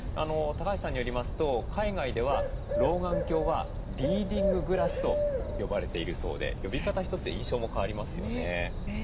橋さんによりますと海外では老眼鏡はリーディンググラスと呼ばれているそうで呼び方一つで印象も変わりますよね。